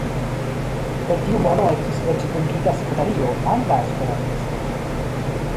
Per tiu mono estis eĉ dungita sekretario, angla esperantisto.